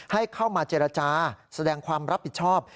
ให้เข้ามาเจรจาแสดงความรับผิดชอบ